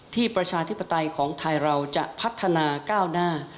ประชาธิปไตยของไทยเราจะพัฒนาก้าวหน้า